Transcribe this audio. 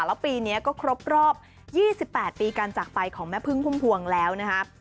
แล้วปีนี้ก็ครบรอบ๒๘ปีการจากไปของแม่พึ่งพุ่มพวงแล้วนะครับ